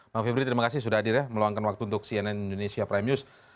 bang febri terima kasih sudah hadir ya meluangkan waktu untuk cnn indonesia prime news